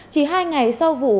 chỉ hai ngày sau vụ